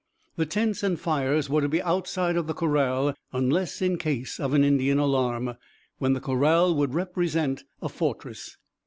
The tents and fires were to be outside of the corral unless in case of an Indian alarm, when the corral would represent a fortress.